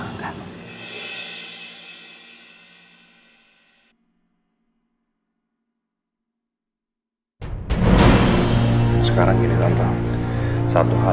sekarang ini tante satu hal yang diangkat laku di tulus kita tahu ya tenang yakin semuanya kebetulan